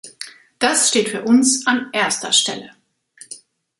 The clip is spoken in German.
Das steht für uns an erster Stelle.